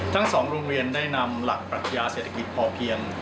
ทั้ง๒โรงเรียนได้นำหลักปรัชญาเศรษฐกิจพอเพียง